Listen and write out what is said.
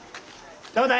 どうだい？